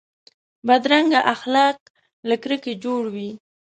بدرنګه اخلاق له کرکې جوړ وي